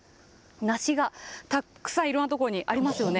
梨がたくさん、いろんなところにありますよね。